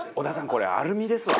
これアルミですわ。